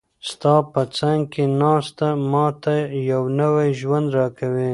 ستا په څنګ کې ناسته، ما ته یو نوی ژوند راکوي.